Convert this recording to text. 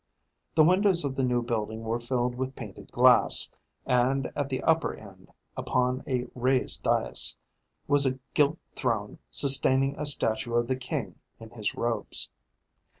The windows of the new building were filled with painted glass, and at the upper end, upon a raised dais, was a gilt throne sustaining a statue of the king in his robes.